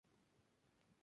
ellos hubiesen partido